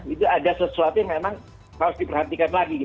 itu ada sesuatu yang memang harus diperhatikan lagi